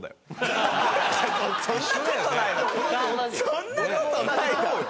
そんな事ないだろ。